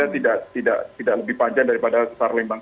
tidak lebih panjang daripada sarlimbang